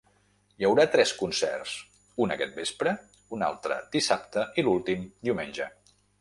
Hi haurà tres concerts, un aquest vespre, un altre dissabte i l’últim, diumenge.